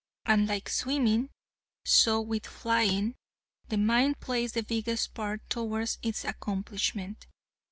And like swimming, so with flying, the mind plays the biggest part towards its accomplishment.